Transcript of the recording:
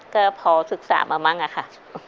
ก็พอศึกษามามั่งอะค่ะ